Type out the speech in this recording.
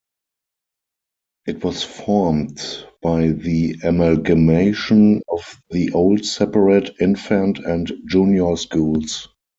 It was formed by the amalgamation of the old separate Infant and Junior Schools.